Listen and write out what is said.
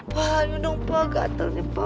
pak aduh dong pak gatel nih pak